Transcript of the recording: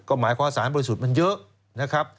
ก็หมายความสารบริสุทธิ์มันเยอะนะครับ